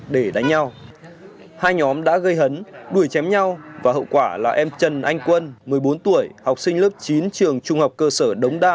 để đánh nhau hai nhóm đã gây hấn đuổi chém nhau và hậu quả là em trần anh quân một mươi bốn tuổi học sinh lớp chín trường trung học cơ sở đống đa